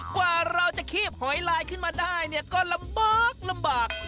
กว่าเราจะคีบหอยลายขึ้นมาได้เนี่ยก็ลำบากลำบาก